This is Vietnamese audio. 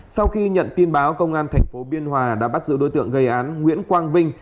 sau khi nhận tin báo công an tp biên hòa đã bắt giữ đối tượng gây án nguyễn quang vinh